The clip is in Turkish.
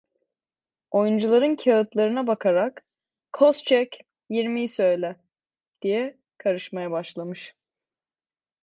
Oyuncuların kağıtlarına bakarak: "Koz çek, yirmiyi söyle" diye karışmaya başlamış.